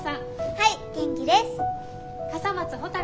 はい元気です。